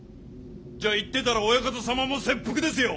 じゃあ言ってたらオヤカタ様も切腹ですよ！